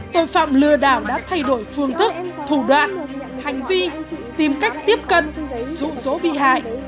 tội phạm lừa đảo đã thay đổi phương thức thủ đoạn hành vi tìm cách tiếp cân dụ dỗ bị hại